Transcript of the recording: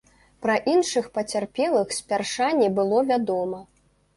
Пра іншых пацярпелых спярша не было вядома.